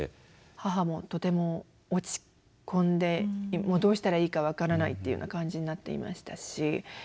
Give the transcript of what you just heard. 母もとても落ち込んでもうどうしたらいいか分からないっていうような感じになっていましたし。